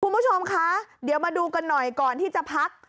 คุณผู้ชมคะเดี๋ยวมาดูกันหน่อยก่อนที่จะพัก